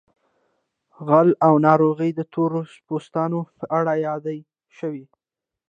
غلا او ناروغۍ د تور پوستانو په اړه یادې شوې.